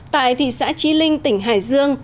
tại thị xã trí linh tỉnh hải dương